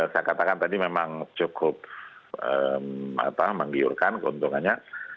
saya katakan tadi memang cukup menggiurkan keuntungannya